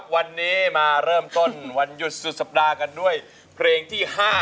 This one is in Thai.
วันนี้มาเริ่มต้นวันหยุดสุดสัปดาห์กันด้วยเพลงที่๕